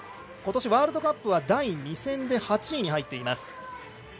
今年ワールドカップは第２戦で８位に入っています。